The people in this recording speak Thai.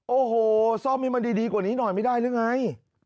โอ้โหซ่อมให้มันดีกว่านี้หน่อยไม่ได้หรือไง